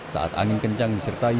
saat angin kencang disertai